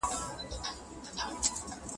خدای انسان ته د مځکي ټول واک ورکړی دی.